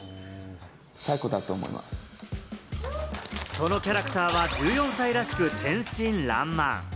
そのキャラクターは、１４歳らしく天真爛漫。